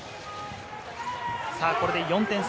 これで４点差。